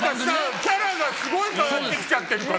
キャラがすごい変わってきちゃってるから。